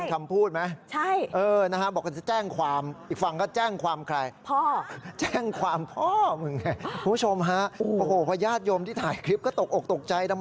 คุณพระคุณเจ้าการทำบุญก็แล้วที่มีก็แล้วแต่คุณพระคุณเจ้าการทำบุญก็แล้วที่มีก็แล้วแต่